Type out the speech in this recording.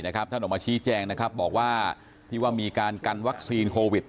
ท่านออกมาชี้แจงนะครับบอกว่าที่ว่ามีการกันวัคซีนโควิด